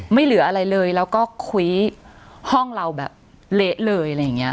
ไม่เหลืออะไรเลยแล้วก็คุยห้องเราแบบเละเลยอะไรอย่างนี้